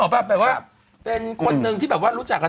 แบบว่าเป็นคนหนึ่งที่รู้จักกับ